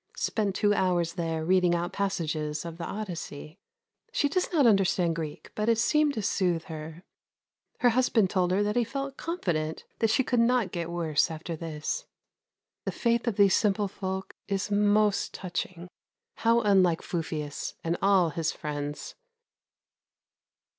Spent two hours there reading out passages of the "Odyssey." She does not understand Greek; but it seemed to soothe her. Her husband told her that he felt confident that she could not get worse after this. The faith of these simple folk is most touching. How unlike Fufius and all his friends.